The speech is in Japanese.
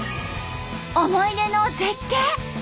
思い出の絶景！